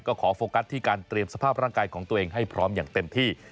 ก็ขอโฟกัสที่การเตรียมสภาพร่างกายของตัวเองให้พร้อมอย่างเต็มที่